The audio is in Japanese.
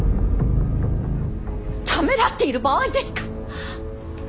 ためらっている場合ですか！